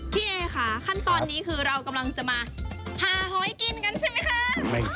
พี่เอค่ะขั้นตอนนี้คือเรากำลังจะมาผ่าหอยกินกันใช่ไหมคะ